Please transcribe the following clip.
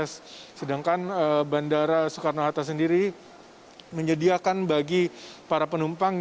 sedangkan bandara soekarno hatta sendiri menyediakan bagi para penumpang